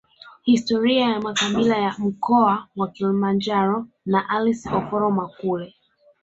Historia ya makabila ya mkoa wa Kilimanjaro na Alice Oforo Makule